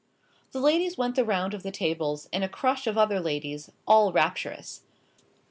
The ladies went the round of the tables, in a crush of other ladies, all rapturous.